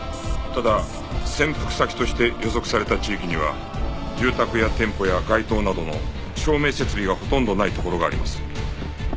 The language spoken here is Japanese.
ただ潜伏先として予測された地域には住宅や店舗や街灯などの照明設備がほとんどないところがあります。